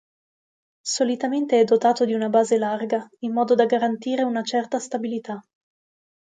Solitamente è dotato di una base larga in modo da garantire una certa stabilità.